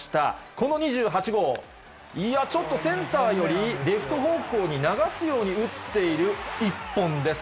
この２８号、いや、ちょっとセンターよりレフト方向に流すように打っている一本です。